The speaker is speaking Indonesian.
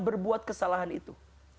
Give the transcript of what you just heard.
berbuat kesalahan itu